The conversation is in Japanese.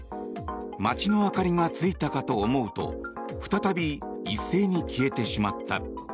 街の明かりがついたかと思うと再び一斉に消えてしまった。